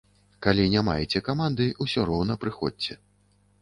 Калі не маеце каманды, усё роўна прыходзьце.